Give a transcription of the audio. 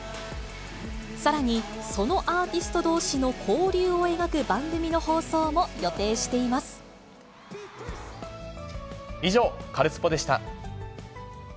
さらに、そのアーティストどうしの交流を描く番組の放送も予定し以上、カルスポっ！でした。